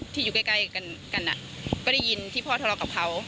อยู่ใกล้กันก็ได้ยินที่พ่อทะเลาะกับเขา